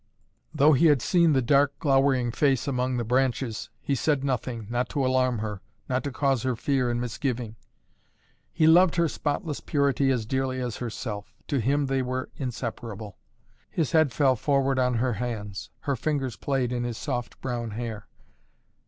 Though he had seen the dark, glowering face among the branches, he said nothing, not to alarm her, not to cause her fear and misgiving. He loved her spotless purity as dearly as herself. To him they were inseparable. His head fell forward on her hands. Her fingers played in his soft brown hair.